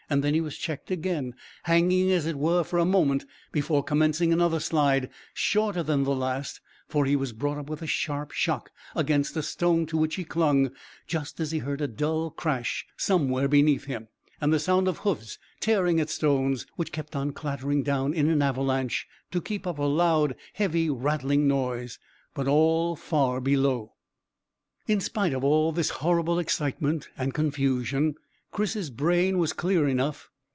Then he was checked again, hanging as it were for a moment before commencing another slide shorter than the last, for he was brought up with a sharp shock against a stone, to which he clung, just as he heard a dull crash somewhere beneath him, and the sound of hoofs tearing at stones, which kept on clattering down in an avalanche, to keep up a loud, heavy, rattling noise, but all far below. In spite of the horrible excitement and confusion, Chris's brain was clear enough.